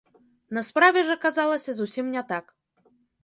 На справе ж аказалася зусім не так.